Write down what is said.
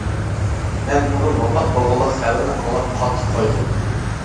مەن ئۇنىڭ ۋاپات بولغانلىق خەۋىرىنى ئاڭلاپ قاتتىق قايغۇردۇم.